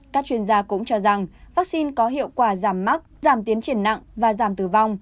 các chuyên gia cũng cho rằng vaccine có hiệu quả giảm mắc giảm tiến triển nặng và giảm tử vong